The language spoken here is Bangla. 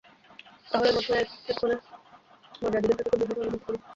তাহলেই বোধ হয়, এক্ষণে মান্দ্রাজীদের কাছে খুব বেশী সহানুভূতি পাবে।